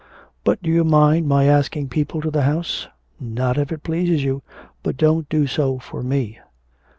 'But do you mind my asking people to the house?' 'Not if it pleases you. But don't do so for me.'